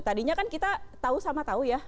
tadinya kan kita tahu sama tahu ya